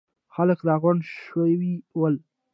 خلک راغونډ شوي ول.